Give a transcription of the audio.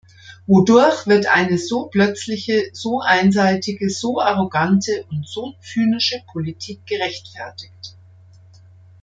Wodurch wird eine so plötzliche, so einseitige, so arrogante und so zynische Politik gerechtfertigt?